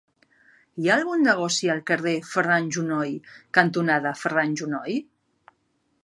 Hi ha algun negoci al carrer Ferran Junoy cantonada Ferran Junoy?